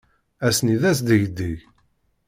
Ass-nni d asdegdeg.